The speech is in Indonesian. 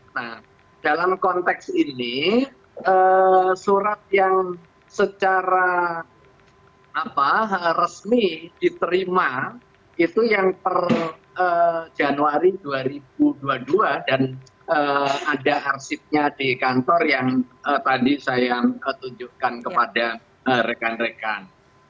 nah dalam konteks ini surat yang secara resmi diterima itu yang per januari dua ribu dua puluh dua dan ada arsipnya di kantor yang tadi saya tunjukkan kepada rekan rekan